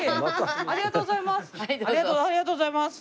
ありがとうございます。